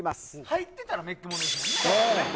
入ってたらめっけもんですね。